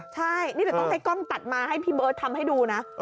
ใช่นี่เดี๋ยวต้องให้กล้องตัดมาให้พี่เบิร์ตทำให้ดูนะ